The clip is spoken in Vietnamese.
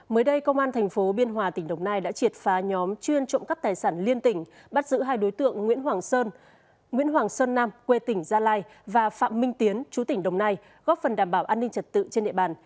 mới đây công an thành phố biên hòa tỉnh đồng nai đã triệt phá nhóm chuyên trộm cắp tài sản liên tỉnh bắt giữ hai đối tượng nguyễn hoàng sơn nguyễn hoàng sơn nam quê tỉnh gia lai và phạm minh tiến chú tỉnh đồng nai góp phần đảm bảo an ninh trật tự trên địa bàn